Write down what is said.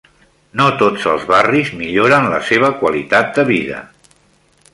No tots els barris milloren la seva qualitat de vida.